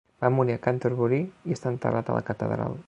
Va morir a Canterbury i està enterrat a la catedral.